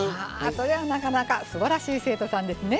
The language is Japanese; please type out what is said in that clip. それは、なかなかすばらしい生徒さんですね。